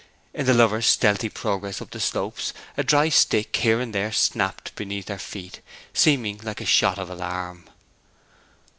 In the lovers' stealthy progress up the slopes a dry stick here and there snapped beneath their feet, seeming like a shot of alarm.